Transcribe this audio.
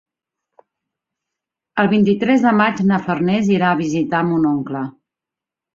El vint-i-tres de maig na Farners irà a visitar mon oncle.